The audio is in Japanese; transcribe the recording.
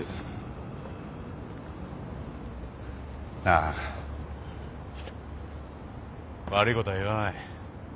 なあ悪いことは言わない。